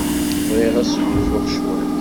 Bɣiɣ ad sgunfuɣ cwiṭ.